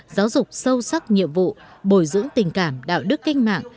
giáo dục sâu sắc nhiệm vụ bồi dưỡng tình cảm đạo đức kinh mạng